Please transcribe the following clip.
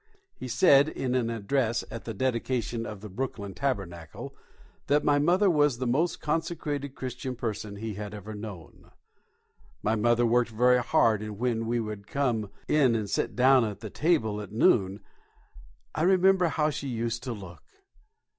He said, in an address at the dedication of the Brooklyn Tabernacle, that my mother was the most consecrated Christian person he had ever known. My mother worked very hard, and when we would come in and sit down at the table at noon, I remember how she used to look.